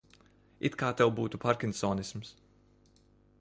It kā tev būtu pārkinsonisms.